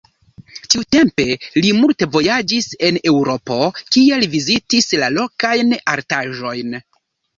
Tiutempe li multe vojaĝis en Eŭropo, kie li vizitis la lokajn artaĵojn.